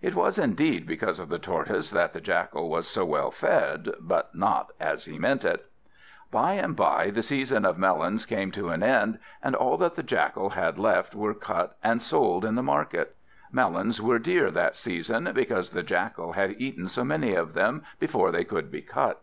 It was indeed because of the Tortoise that the Jackal was so well fed, but not as he meant it. By and by the season of melons came to an end, and all that the Jackal had left were cut and sold in the market. Melons were dear that season, because the Jackal had eaten so many of them before they could be cut.